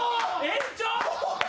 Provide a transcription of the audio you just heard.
延長！？